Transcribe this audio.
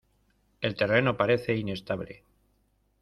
El terreno parece inestable.